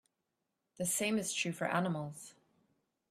The same is true for animals.